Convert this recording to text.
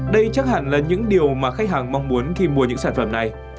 đây chắc hẳn là những điều mà khách hàng mong muốn khi mua những sản phẩm này